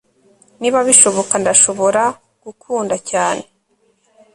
niba bishoboka, ndashobora kugukunda cyane